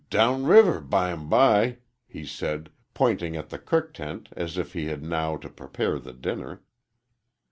"D down river, bym by," he said, pointing at the cook tent as if he had now to prepare the dinner.